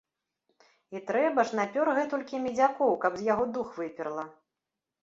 І трэба ж, напёр гэтулькі медзякоў, каб з яго дух выперла.